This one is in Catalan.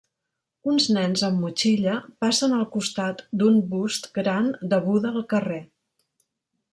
Uns nens amb motxilla passen al costat d'un bust gran de Buda al carrer.